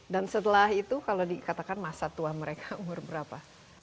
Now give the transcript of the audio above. dan setelah itu kalau dikatakan masa tua mereka umur berapa